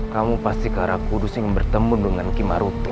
kamu pasti ke arah kudus yang bertemu dengan kimarutu